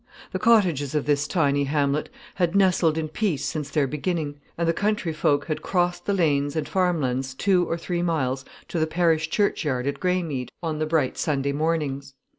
The cottages of this tiny hamlet had nestled in peace since their beginning, and the country folk had crossed the lanes and farm lands, two or three miles, to the parish church at Greymeed, on the bright Sunday mornings.